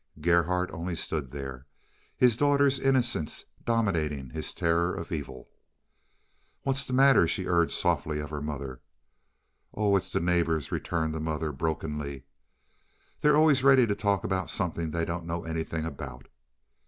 Gerhardt only stood there, his daughter's innocence dominating his terror of evil. "What's the matter?" she urged softly of her mother. "Oh, it's the neighbors," returned the mother brokenly. "They're always ready to talk about something they don't know anything about."